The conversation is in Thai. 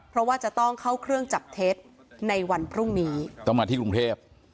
เพราะว่าจะต้องเข้าเครื่องจับเท็จในวันพรุ่งนี้ต้องมาที่กรุงเทพ